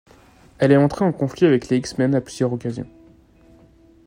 Elle est entrée en conflit avec les X-Men à plusieurs occasions.